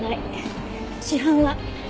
死斑は。